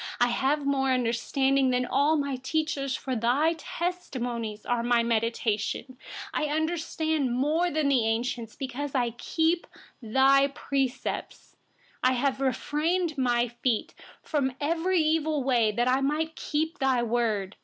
99I have more understanding than all my teachers, for your testimonies are my meditation. 100I understand more than the aged, because I have kept your precepts. 101I have kept my feet from every evil way, that I might observe your word.